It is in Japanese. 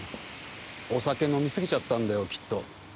お酒飲み過ぎちゃったんだよきっと。